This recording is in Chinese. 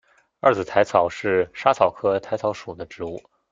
二籽薹草是莎草科薹草属的植物。